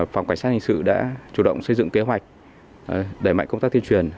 phòng cảnh sát hình sự đã chủ động xây dựng kế hoạch đẩy mạnh công tác tuyên truyền